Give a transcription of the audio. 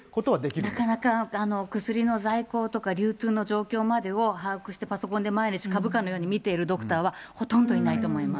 なかなか薬の在庫とか流通の状況までを把握してパソコンで毎日、株価のように見ているドクターはほとんどいないと思います。